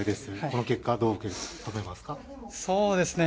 この結果、どう受け止めますか？